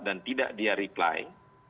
dan tidak dia reply